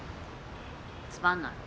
つまんない。